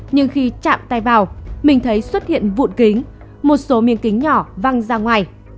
nhưng khi chạm tay vào mình thấy xuất hiện vụn kính một số miếng kính nhỏ văng ra ngoài